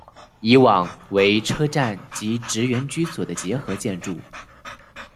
以往为车站及职员居所的结合建筑。